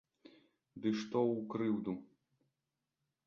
Ды што ў крыўду!